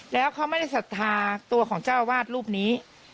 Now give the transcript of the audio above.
แล้วเขาไม่ได้ศรัทธาตัวของเจ้าวาดรูปนี้